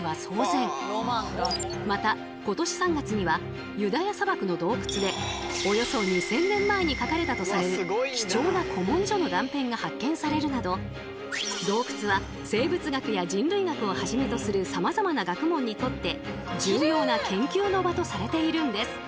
また今年３月にはユダヤ砂漠の洞窟でおよそ２，０００年前に書かれたとされる貴重な古文書の断片が発見されるなど洞窟は生物学や人類学をはじめとするさまざまな学問にとって重要な研究の場とされているんです。